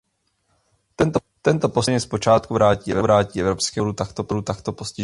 Tento postup samozřejmě zpočátku vrátí Evropské unii podporu takto postižených.